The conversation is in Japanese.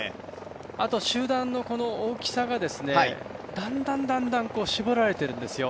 あと、集団の大きさがだんだん、だんだん絞られているんですよ